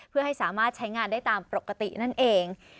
เพื่อให้สามารถใช้งานได้ตามปกตินั่นเอง